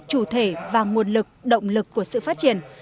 chủ thể và nguồn lực động lực của sự phát triển